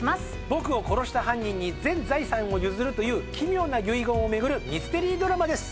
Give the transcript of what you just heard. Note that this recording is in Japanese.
僕を殺した犯人に全財産を譲るという奇妙な遺言を巡るミステリードラマです。